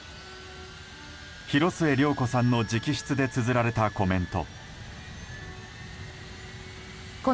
広末涼子さんの直筆でつづられたコメント。